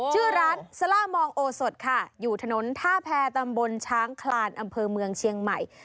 ชื่อร้านซาล่ามองโอสดค่ะอยู่ถนนท่าแพรตำบลช้างคลานอำเภอเมืองเชียงใหม่